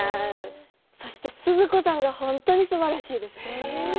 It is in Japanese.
そして、鈴子さんが本当にすばらしいです。